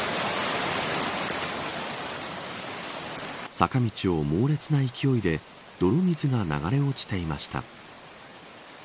坂道を猛烈な勢いで泥水が流れ落ちていました。